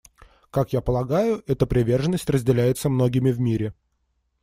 Как я полагаю, эта приверженность разделяется многими в мире.